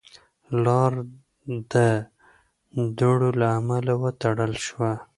لار د دوړو له امله وتړل شوه.